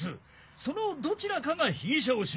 そのどちらかが被疑者を示し